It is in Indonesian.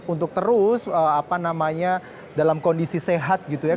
untuk terus dalam kondisi sehat gitu ya